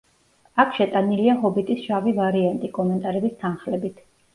აქ შეტანილია „ჰობიტის“ შავი ვარიანტი, კომენტარების თანხლებით.